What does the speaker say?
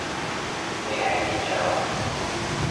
你喺現場？